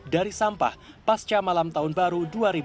dari sampah pasca malam tahun baru dua ribu dua puluh